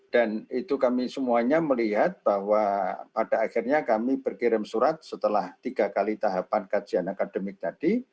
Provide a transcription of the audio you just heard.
dan itu kami semuanya melihat bahwa pada akhirnya kami berkirim surat setelah tiga kali tahapan kajian akademik tadi